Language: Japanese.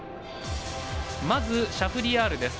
まず、シャフリヤールです。